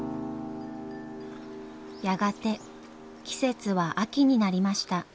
やがて季節は秋になりました。